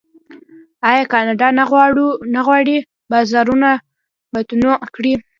آیا کاناډا نه غواړي بازارونه متنوع کړي؟